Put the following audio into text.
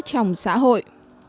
trong xã hội